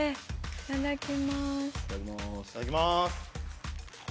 いただきます。